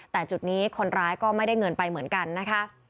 แต่จุดนี้คนร้ายก็ไม่ได้เงินไปเหมือนกันนะคะ